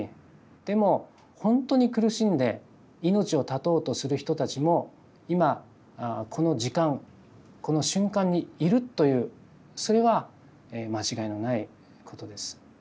でもほんとに苦しんで命を絶とうとする人たちも今この時間この瞬間にいるというそれは間違いのないことです。